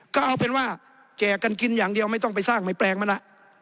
ก็เอาเป็นว่าแจกกันกินอย่างเดียวไม่ต้องไปสร้างไม่แปลงมันแล้ว